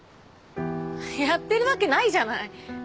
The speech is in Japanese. やってるわけないじゃない。